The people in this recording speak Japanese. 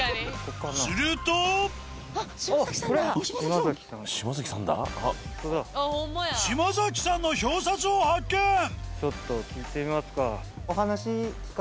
すると嶋崎さんの表札を発見ちょっと聞いてみますか。